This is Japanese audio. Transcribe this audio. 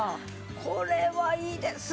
これはいいですね。